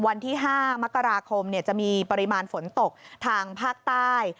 วันที่๕มกราคมจะมีปริมาณฝนตกทางภาคใต้